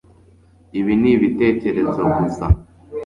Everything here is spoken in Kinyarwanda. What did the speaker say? Ibi nibitekerezo gusa